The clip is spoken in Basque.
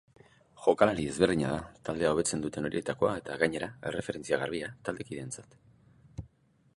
Jokalari ezberdina da, taldea hobetzen duten horietakoa eta gainera erreferentzia garbia taldekideentzat.